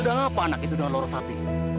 sudah apa anak itu dengan lorosati